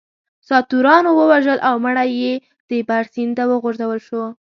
سناتورانو ووژل او مړی یې تیبر سیند ته وغورځول شو